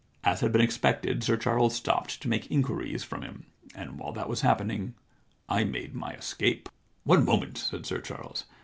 As had been expected, Sir Charles stopped to make inquiries from him. And while that was happening I made my escape.' * One moment,' said Sir Charles.